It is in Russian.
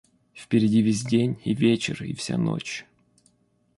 Впереди весь день, и вечер, и вся ночь...